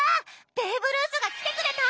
ベーブ・ルースが来てくれた！